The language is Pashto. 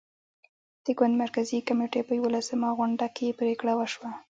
د ګوند مرکزي کمېټې په یوولسمه غونډه کې پرېکړه وشوه.